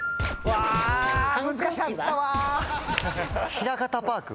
ひらかたパーク？